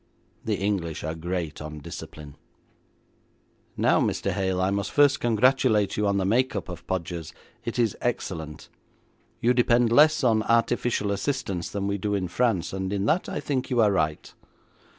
The English are great on discipline. 'Now, Mr. Hale, I must first congratulate you on the make up of Podgers. It is excellent. You depend less on artificial assistance than we do in France, and in that I think you are right.'